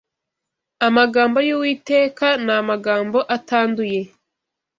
Amagambo y’Uwiteka ni amagambo atanduye